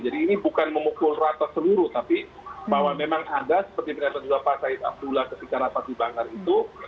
jadi ini bukan memukul rata seluruh tapi bahwa memang ada seperti penyakit penyakit pak said abdullah ketika rapat di bangar itu